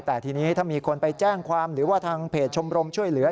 แต่ทีนี้ถ้ามีคนไปแจ้งความหรือว่าทางเพจชมรมช่วยเหลือ